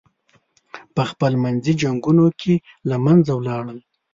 پخپل منځي جنګونو کې له منځه ولاړل.